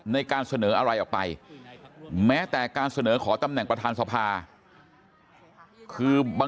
ในการเสนออะไรออกไปแม้แต่การเสนอขอตำแหน่งประธานสภาคือ